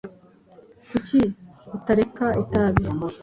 kuki utareka itabi